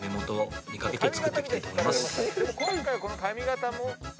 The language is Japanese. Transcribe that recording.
今回はこの髪形も。